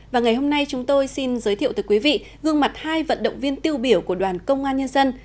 và ngày hôm nay chúng tôi xin giới thiệu tới quý vị gương mặt hai vận động viên tiêu biểu của đoàn công an nhân dân